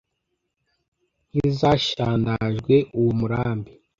Nk' izashandazwe uwo murambi.